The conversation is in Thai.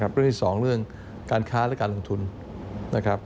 เรื่องที่สองเรื่องการค้าและการลงทุน